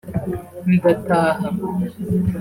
ndataha